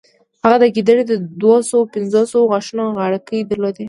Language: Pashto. هغه د ګیدړې د دوهسوو پنځوسو غاښونو غاړکۍ درلوده.